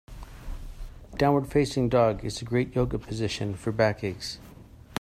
Downward facing dog is a great Yoga position for back aches.